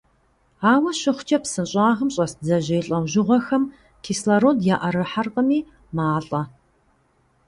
Ауэ щыхъукӀэ, псы щӀагъым щӀэс бдзэжьей лӀэужьыгъуэхэм кислород яӀэрыхьэркъыми, малӀэ.